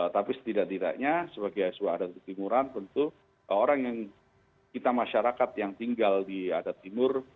tapi setidak tidaknya sebagai sebuah adat di timuran tentu orang yang kita masyarakat yang tinggal di adat timur